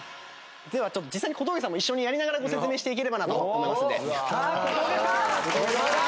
ではちょっと実際に小峠さんも一緒にやりながらご説明していければなと思いますので。